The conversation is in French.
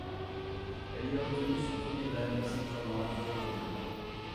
Elle y a obtenu son premier dan de ceinture noire de taekwondo.